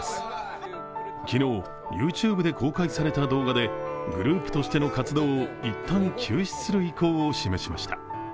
昨日、ＹｏｕＴｕｂｅで公開された動画でグループとしての活動を一旦休止する意向を示しました。